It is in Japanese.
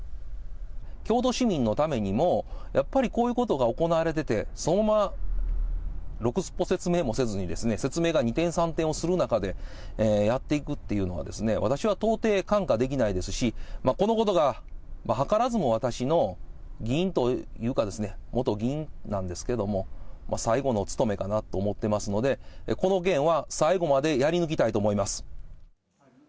京都市民のためにも、やっぱりこういうことが行われてて、そのままろくすっぽ説明もせずに、説明が二転三転をする中でやっていくっていうのはですね、私は到底、看過できないですし、このことが図らずも私の議員というか、元議員なんですけども、最後の務めかなと思っていますので、この件は最後までやり抜きたいと思います。